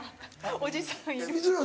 おじさんいる。